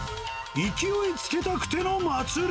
勢いつけたくての祭。